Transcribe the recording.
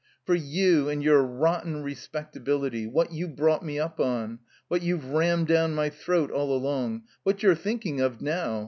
"For you and your rotten respectability! What you brought me up on. What you've rammed down my throat all along. What you're thinking of now.